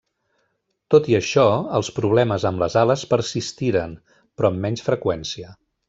Tot i això, els problemes amb les ales persistiren, però amb menys freqüència.